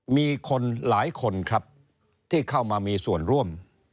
มีคนหลายคนครับที่เข้ามามีส่วนร่วม